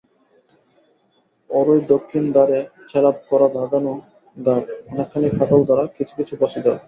ওরই দক্ষিণ-ধারে ছ্যাৎলা-পড়া বাঁধানো ঘাট, অনেকখানি ফাটল-ধরা, কিছু কিছু বসে-যাওয়া।